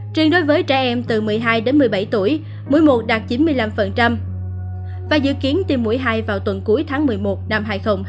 truyền đối với trẻ em từ một mươi hai đến một mươi bảy tuổi mũi một đạt chín mươi năm và dự kiến tiêm mũi hai vào tuần cuối tháng một mươi một năm hai nghìn hai mươi